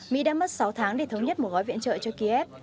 mỹ đã mất sáu tháng để thống nhất một gói viện trợ cho kiev